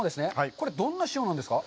これはどんな塩なんですか。